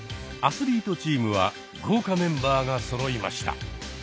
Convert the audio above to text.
アスリートチームは豪華メンバーがそろいました。